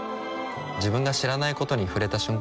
自分が知らないことに触れた瞬間